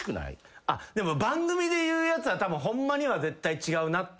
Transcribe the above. でも番組で言うやつはホンマには絶対違うなって。